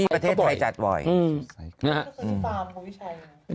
ที่นี่ประเทศไทยจัดไว้